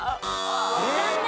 残念！